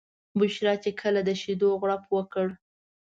بشرا چې کله د شیدو غوړپ وکړ.